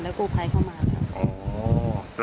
แล้วกูภัยเข้ามาครับ